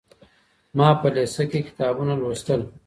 ما په لېسه کي کتابونه لوستل.